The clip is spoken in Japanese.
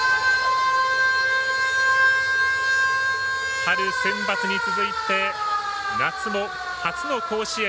春センバツに続いて夏も初の甲子園。